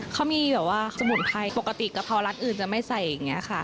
เขามีแบบว่าสมุนไพรปกติกะเพราร้านอื่นจะไม่ใส่อย่างนี้ค่ะ